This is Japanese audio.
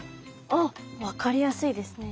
あっ分かりやすいですね。